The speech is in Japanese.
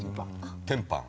テンパン。